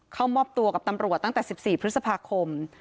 เข้ามอบตัวกับตำรวจตั้งแต่๑๔พฤษภาคม